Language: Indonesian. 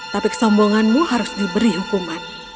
tapi kesombonganmu harus diberi hukuman